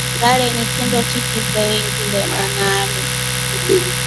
Ngareni kindochi kimengilema lanye.